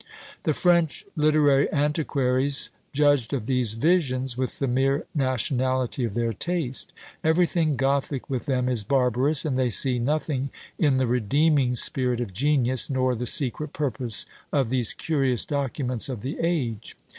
The French literary antiquaries judged of these "Visions" with the mere nationality of their taste. Everything Gothic with them is barbarous, and they see nothing in the redeeming spirit of genius, nor the secret purpose of these curious documents of the age.